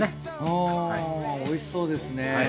あおいしそうですね。